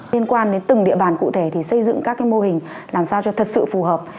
liên quan đến từng địa bàn cụ thể thì xây dựng các mô hình làm sao cho thật sự phù hợp